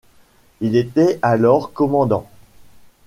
Il était alors commandant.